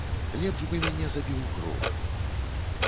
Лепш бы мяне забіў гром.